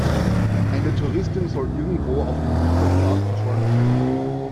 Eine Touristin soll irgendwo auf dem Pilgerpfad verschollen sein.